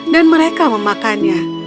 dan mereka memakannya